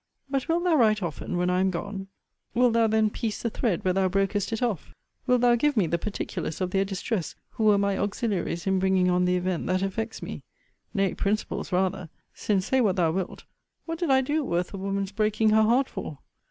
But wilt thou write often, when I am gone? Wilt thou then piece the thread where thou brokest it off? Wilt thou give me the particulars of their distress, who were my auxiliaries in bringing on the event that affects me? Nay, principals rather: Since, say what thou wilt, what did I do worth a woman's breaking her heart for?